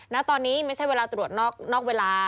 ณตอนนี้ไม่ใช่เวลาตรวจนอกเวลา